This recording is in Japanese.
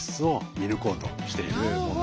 見抜こうとしているものになります。